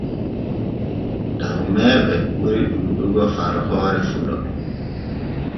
Dahumeeɓe ɓuri ɗuuɗugo far hoore fuɗo.